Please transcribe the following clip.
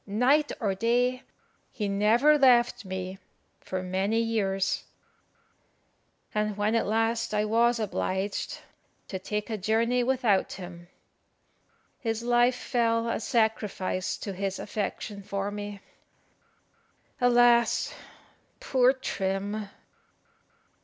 Night or day, he never left me for many years; and when at last I was obliged to take a journey without him, his life fell a sacrifice to his affection for me. Alas, poor Trim!